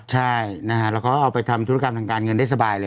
ใช่นะฮะแล้วก็เอาไปทำธุรกรรมทางการเงินได้สบายเลย